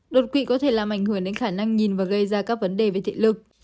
đột quỵ có thể làm ảnh hưởng đến khả năng nhìn và gây ra các vấn đề về thị lực